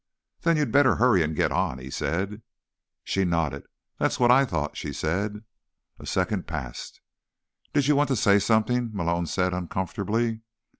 "Then you'd better hurry and get on," he said. She nodded. "That's what I thought," she said. A second passed. "Did you want to say something?" Malone said uncomfortably.